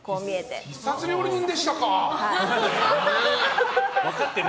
必殺料理人でしたか！